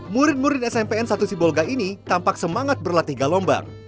murid murid smpn satu sibolga ini tampak semangat berlatih galombang